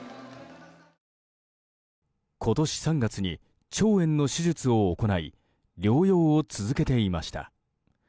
今年３月に腸炎の手術を行い療養を続けていました。